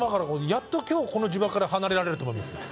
やっと今日この呪縛から離れられると思います。